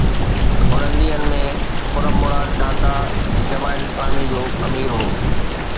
انهن ڏينهن ۾ خرم مراد ڍاڪا جي جماعت اسلامي جو امير هو.